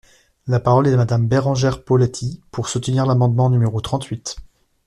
La parole est à Madame Bérengère Poletti, pour soutenir l’amendement numéro trente-huit.